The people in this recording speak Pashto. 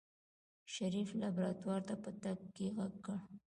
شريف لابراتوار ته په تګ کې غږ کړ.